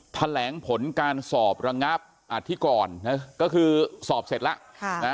แถลงผลการสอบระงับอธิกรก็คือสอบเสร็จแล้ว